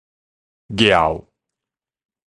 抓